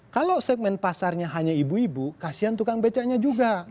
kalau segmen pasarnya hanya ibu ibu kasian tukang becaknya juga